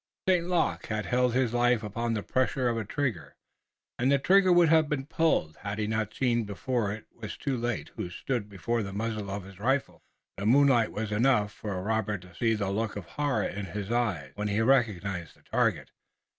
St. Luc had held his life upon the pressure of a trigger, and the trigger would have been pulled had he not seen before it was too late who stood before the muzzle of his rifle. The moonlight was enough for Robert to see that look of horror in his eyes when he recognized the target.